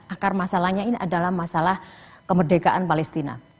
akar masalahnya ini adalah masalah kemerdekaan palestina